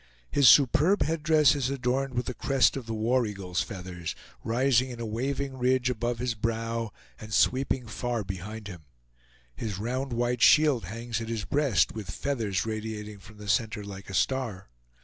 His superb headdress is adorned with a crest of the war eagle's feathers, rising in a waving ridge above his brow, and sweeping far behind him. His round white shield hangs at his breast, with feathers radiating from the center like a star.